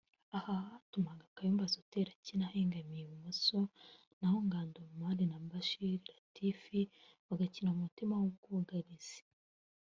Aha byatumaga Kayumba Soter akina ahengamiye ibumoso naho Ngandu Omar na Bishira Latif bagakina mu mutima w’ubwugarizi